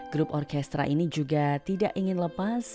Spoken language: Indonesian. grup orkestra ini juga tidak ingin lepas